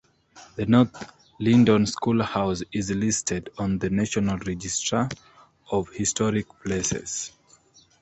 The North Lyndon Schoolhouse is listed on the National Register of Historic Places.